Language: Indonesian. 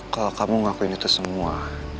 kalau kamu ngakuin itu semua